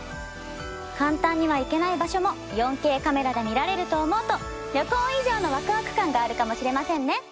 簡単には行けない場所も４Ｋカメラで見られると思うと旅行以上のワクワク感があるかもしれませんね！